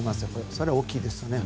それは大きいですね。